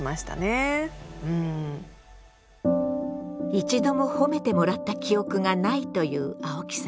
一度も褒めてもらった記憶がないという青木さん。